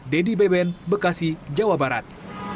dedy beben bekasi jawa barat